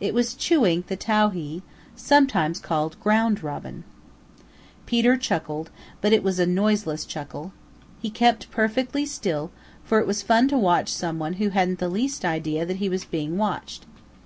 It was Chewink the Towhee, sometimes called Ground Robin. Peter chuckled, but it was a noiseless chuckle. He kept perfectly still, for it was fun to watch some one who hadn't the least idea that he was being watched.